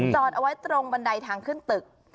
จอดเอาไว้ตรงบันไดทางขึ้นตึก